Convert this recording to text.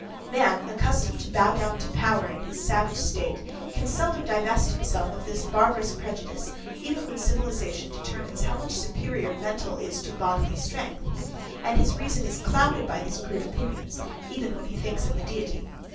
Man, accustomed to bow down to power in his savage state, can seldom divest himself of this barbarous prejudice even when civilization determines how much superior mental is to bodily strength; and his reason is clouded by these crude opinions, even when he thinks of the Deity.